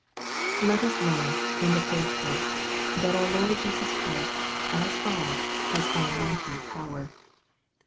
Let us learn, in the third place, that our Lord Jesus Christ, as God, has almighty power.